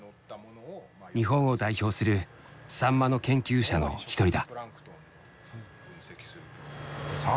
日本を代表するサンマの研究者の一人だ。